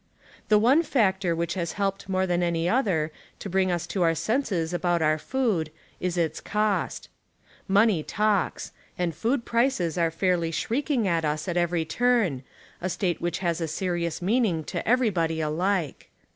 The one factor which has helped more than any other to bring us to our senses about our food is its cost. "Money talks", and food prices are fairly shrieking at us at ever}' turn, a state which has a serious meaning to everybody alike.